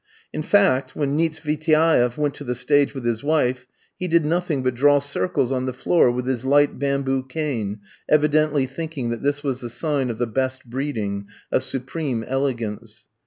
In fact, when Nietsvitaeff went to the stage with his wife, he did nothing but draw circles on the floor with his light bamboo cane, evidently thinking that this was the sign of the best breeding, of supreme elegance.